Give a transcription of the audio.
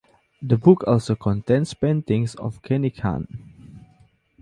The book also contains paintings of Ghani Khan.